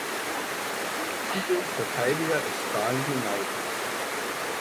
Titelverteidiger ist Bali United.